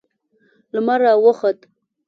لمر را وخوت.